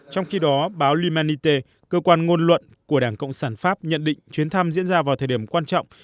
trong khi đó báo lmanite cơ quan ngôn luận của đảng cộng sản pháp nhận định chuyến thăm diễn ra vào thời điểm quan trọng